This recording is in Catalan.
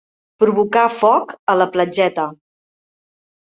Provocar foc a la platgeta.